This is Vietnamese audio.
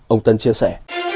ông tân chia sẻ